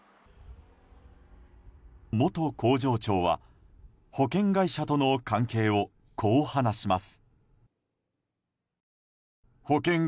元工場長は保険会社との関係をこう話します。